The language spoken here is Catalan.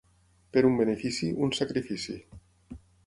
Per un benefici, un sacrifici.